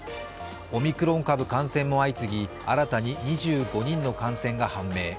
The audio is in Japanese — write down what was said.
オミクロン株感染も相次ぎ新たに２５人の感染が判明。